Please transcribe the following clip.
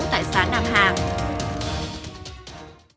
tại xã nam hà